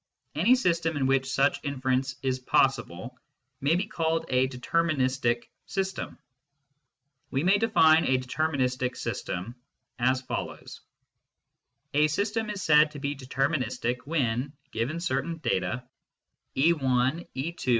Any system in which such inference is possible may be called a " determin istic " system. We may define a deterministic system as follows : A system is said to be " deterministic " when, given certain data, e v e 2